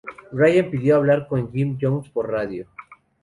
Ryan pidió hablar con Jim Jones por radio.